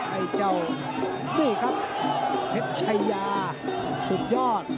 ไอ้เจ้านี่ครับเพชรชายาสุดยอด